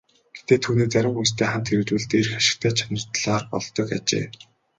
Гэхдээ түүнийг зарим хүнстэй хамт хэрэглэвэл дээрх ашигтай чанар талаар болдог ажээ.